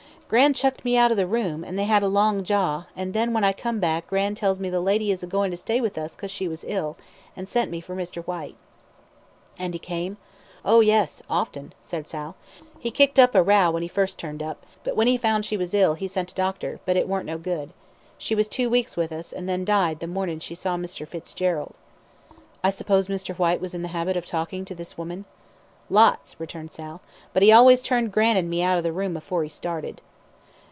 "Gran' chucked me out of the room, an' they had a long jaw; and then, when I come back, Gran' tells me the lady is a goin' to stay with us 'cause she was ill, and sent me for Mr. Whyte." "And he came?" "Oh, yes often," said Sal. "He kicked up a row when he first turned up, but when he found she was ill, he sent a doctor; but it warn't no good. She was two weeks with us, and then died the mornin' she saw Mr. Fitzgerald." "I suppose Mr. Whyte was in the habit of talking to this woman?" "Lots," returned Sal; "but he always turned Gran' an' me out of the room afore he started."